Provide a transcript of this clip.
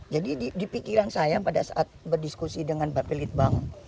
jadi di pikiran saya pada saat berdiskusi dengan bapak lidbang